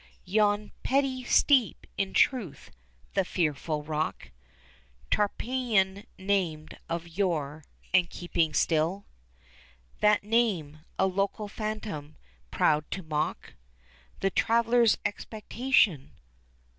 Yon petty Steep in truth the fearful Rock, Tarpeian named of yore, and keeping still That name, a local Phantom proud to mock The Traveller's expectation?